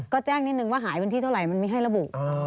ก็แจ้งนิดนึงว่าหายวันที่เท่าไหร่มันไม่ให้ระบุ